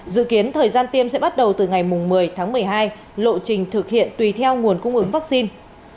dự kiến thời gian tiêm sẽ bắt đầu từ ngày một mươi tháng một mươi hai lộ trình thực hiện tùy theo nguồn cung ứng vaccine